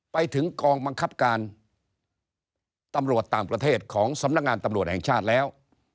ไปถึงกองบังคับการตำรวจต่างประเทศของสำนักงานตำรวจแห่งชาติแล้ว